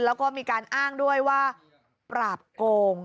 แล้วก็มีการอ้างด้วยว่าปราบโกง